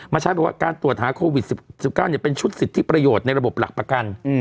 ใช้บอกว่าการตรวจหาโควิด๑๙เป็นชุดสิทธิประโยชน์ในระบบหลักประกัน